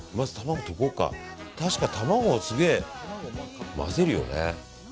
確か、卵をすげえ混ぜるよね。